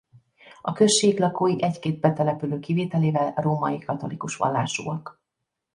A község lakói egy-két betelepülő kivételével római katolikus vallásúak.